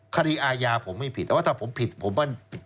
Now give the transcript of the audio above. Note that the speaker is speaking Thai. คดีอาญาผมไม่ผิดแต่ว่าถ้าผมผิดผมมัน